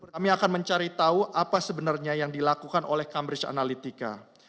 kami akan mencari tahu apa sebenarnya yang dilakukan oleh cambridge analytica